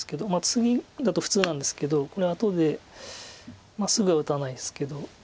ツギだと普通なんですけどこれ後ですぐは打たないですけど。